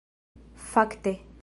fakte